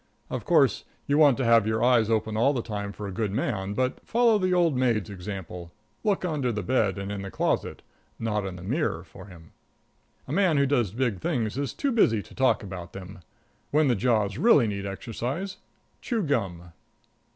Of course, you want to have your eyes open all the time for a good man, but follow the old maid's example look under the bed and in the closet, not in the mirror, for him. A man who does big things is too busy to talk about them. When the jaws really need exercise, chew gum.